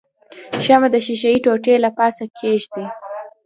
شمع د ښيښې ټوټې له پاسه کیږدئ.